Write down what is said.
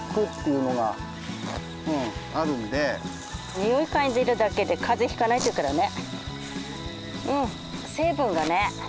においかいでるだけで風邪ひかないっていうからね。